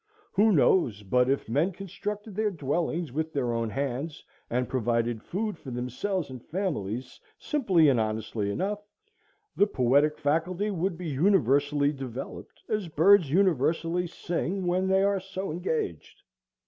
Who knows but if men constructed their dwellings with their own hands, and provided food for themselves and families simply and honestly enough, the poetic faculty would be universally developed, as birds universally sing when they are so engaged?